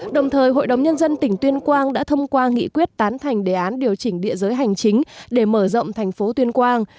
đồng thời hội đồng nhân dân tỉnh tuyên quang đã thông qua nghị quyết tán thành đề án điều chỉnh địa giới hành chính để mở rộng thành phố tuyên quang